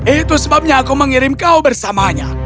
itu sebabnya aku mengirim kau bersamanya